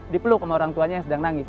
dipeluk sama orang tuanya yang sedang nangis